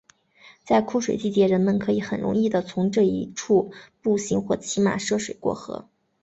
在枯水季节人们可以很容易的从这一处步行或骑马涉水过河。